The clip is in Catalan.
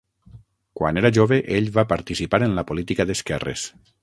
Quan era jove, ell va participar en la política d'esquerres.